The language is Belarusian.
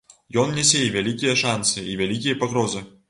Ён нясе і вялікія шанцы, і вялікія пагрозы.